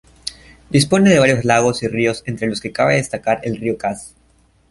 Dispone de varios lagos y ríos entre los que cabe destacar el río Cass.